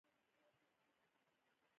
لغړی چې موږ یې له تاڼو تېرولو.